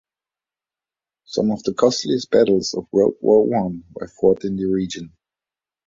Some of the costliest battles of World War One were fought in the region.